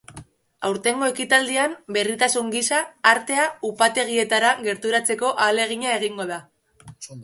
Aurtengo ekitaldian, berritasun gisa, artea upategietara gerturatzeko ahalegina egingo da.